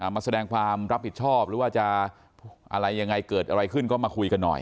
มาแสดงความรับผิดชอบหรือว่าจะอะไรยังไงเกิดอะไรขึ้นก็มาคุยกันหน่อย